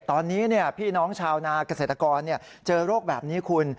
ตอนนี้พี่น้องชาวนาเกษตรกรเจอโรคแบบนี้คุณ